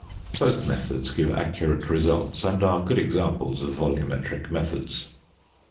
Both methods give accurate results and are good examples of volumetric methods.